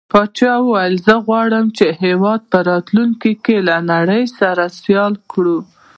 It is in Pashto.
پاچا وويل: زه غواړم چې هيواد په راتلونکي کې له نړۍ سره سيال کړو.